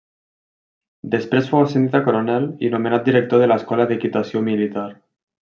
Després fou ascendit a coronel i nomenat director de l'Escola d'Equitació Militar.